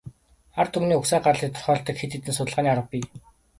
Ард түмний угсаа гарлыг тодорхойлдог хэд хэдэн судалгааны арга бий.